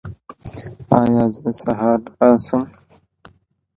ایا زه سهار راشم؟